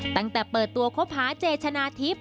ตั้งแต่เปิดตัวคบหาเจชนะทิพย์